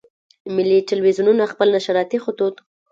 ملي ټلویزیونونه خپل نشراتي خطوط.